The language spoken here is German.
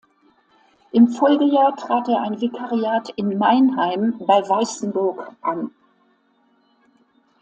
Im Folgejahr trat er ein Vikariat in Meinheim bei Weißenburg an.